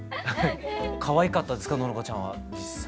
かわいかったですか？ののかちゃんは実際。